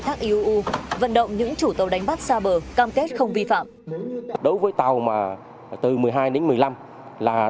thác iuu vận động những chủ tàu đánh bắt xa bờ cam kết không vi phạm đối với tàu mà từ một mươi hai đến một mươi năm là